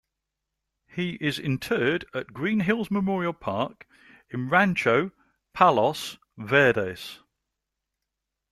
He is interred at Green Hills Memorial Park in Rancho Palos Verdes.